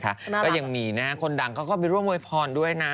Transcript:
น่ารักนะครับก็ยังมีนะครับคนดังเขาก็ไปร่วมโมยพรด้วยนะ